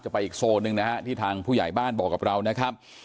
ไปอีกโซนหนึ่งนะฮะที่ทางผู้ใหญ่บ้านบอกกับเรานะครับ